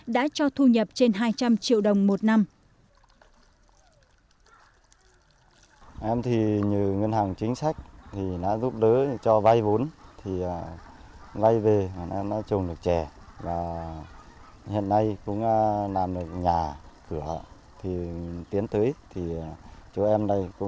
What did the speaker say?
đã cho thu nhập trên hai trăm linh triệu đồng một năm